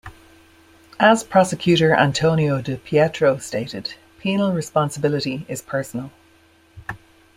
As prosecutor Antonio Di Pietro stated, Penal responsibility is personal.